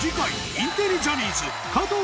インテリジャニーズ